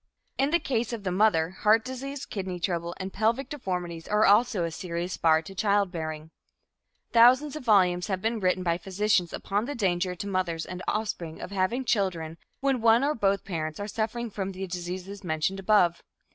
In the case of the mother, heart disease, kidney trouble and pelvic deformities are also a serious bar to childbearing. Thousands of volumes have been written by physicians upon the danger to mothers and offspring of having children when one or both parents are suffering from the diseases mentioned above.